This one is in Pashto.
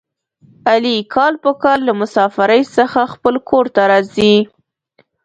علي کال په کال له مسافرۍ څخه خپل کورته راځي.